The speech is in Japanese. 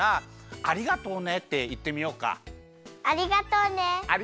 ありがとうね。